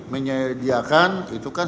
menyediakan itu kan